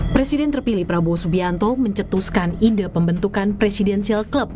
presiden terpilih prabowo subianto mencetuskan ide pembentukan presidensial club